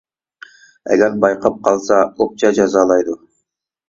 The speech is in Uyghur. ئەگەر بايقاپ قالسا ئوپچە جازالايدۇ .